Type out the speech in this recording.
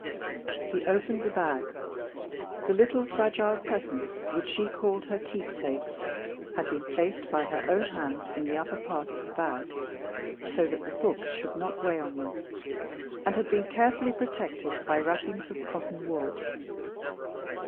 He opened the bag. The little fragile presents, which she called her "keepsakes," had been placed by her own hands in the upper part of the bag, so that the books should not weigh on them, and had been carefully protected by wrappings of cotton wool.